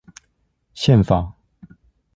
憲法